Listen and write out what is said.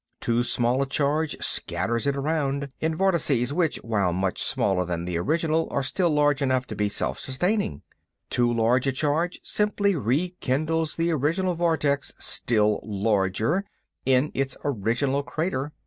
Too small a charge scatters it around, in vortices which, while much smaller than the original, are still large enough to be self sustaining. Too large a charge simply rekindles the original vortex—still larger—in its original crater.